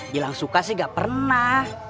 bilang suka sih gak pernah